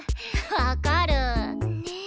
分かる。ね。